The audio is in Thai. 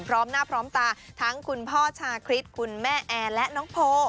พร้อมหน้าพร้อมตาทั้งคุณพ่อชาคริสคุณแม่แอร์และน้องโพ